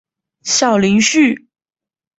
小林旭。